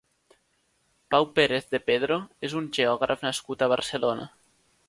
Pau Pérez de Pedro és un geògraf nascut a Barcelona.